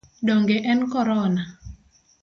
Donge en Korona?